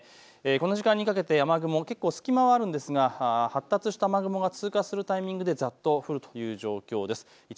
この時間にかけて雨雲、結構隙間があるんですが発達した雨雲が通過するタイミングでざっと降るという状況です。